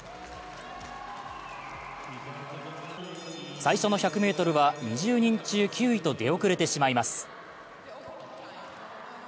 最初の１００ｍは２０人中９位と出遅れてしまいます。